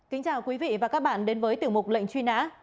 kính chào quý vị và các bạn đến với tiểu mục lệnh truy nã